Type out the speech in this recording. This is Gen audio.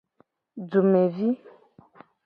Dumevi.